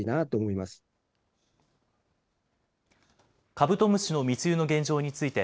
カブトムシの密輸の現状について、